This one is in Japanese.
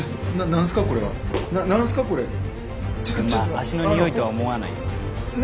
足のにおいとは思わないよな。